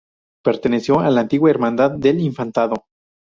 Perteneció a la antigua Hermandad del Infantado.